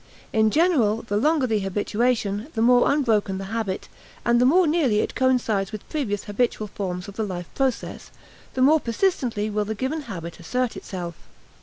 In general, the longer the habituation, the more unbroken the habit, and the more nearly it coincides with previous habitual forms of the life process, the more persistently will the given habit assert itself.